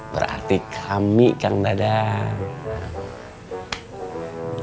berarti kami kang dadang